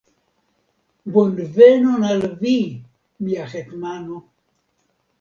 Bonvenon al vi, mia hetmano!